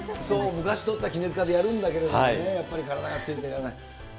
昔取ったきねづかでやるんだけれどもね、やっぱり体がついていかない。